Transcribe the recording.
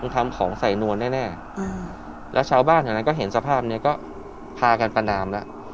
มันทำของใส่นวลแน่แล้วชาวบ้านเห็นสภาพนี้ก็พากันประนามแล้ว